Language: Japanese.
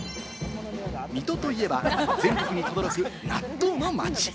水戸といえば全国に轟く納豆の街。